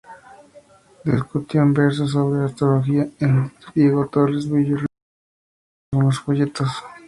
Discutió en verso sobre astrología con Diego Torres Villarroel en algunos folletos.